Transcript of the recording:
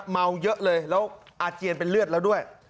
เมาเยอะเลยแล้วอาเจียนเป็นเลือดแล้วด้วย